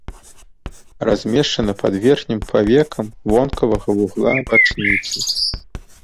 Размешчана пад верхнім павекам вонкавага вугла вачніцы.